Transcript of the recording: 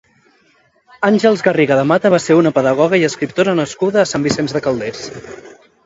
Àngels Garriga de Mata va ser una pedagoga i escriptora nascuda a Sant Vicenç de Calders.